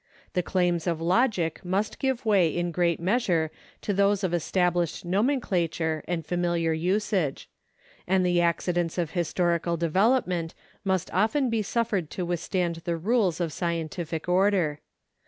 The claims of logic must give way in great measure to those of established nomenclature and familiar usage ; and the accidents of historical development must often be suffered to withstand the rules of scientific order.